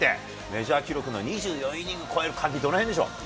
メジャー記録の２４イニングを超える鍵、どのへんでしょうか。